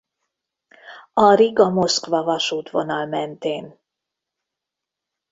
A Riga-Moszkva vasútvonal mentén.